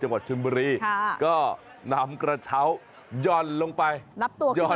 จังหวัดชนบรีก็น้ำกระเช้ายอดลงไปแบบยอดต่อขึ้นมา